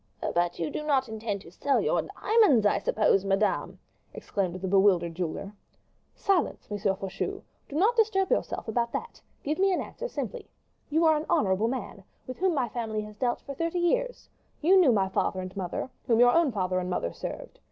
"But you do not intend to sell you diamonds, I suppose, madame?" exclaimed the bewildered jeweler. "Silence, M. Faucheux, do not disturb yourself about that; give me an answer simply. You are an honorable man, with whom my family has dealt for thirty years; you knew my father and mother, whom your own father and mother served.